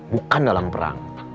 bukan dalam perang